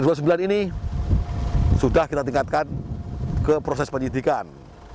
dua puluh sembilan ini sudah kita tingkatkan ke proses penyidikan